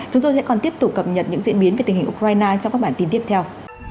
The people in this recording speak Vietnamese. chúng tôi sẽ còn tiếp tục cập nhật những diễn biến về tình hình ukraine trong các bản tin tiếp theo